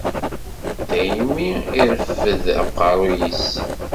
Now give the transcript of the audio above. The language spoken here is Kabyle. Daymi i ireffed aqerru-s.